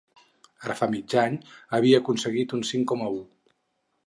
Ara fa mig any havia aconseguit un cinc coma u.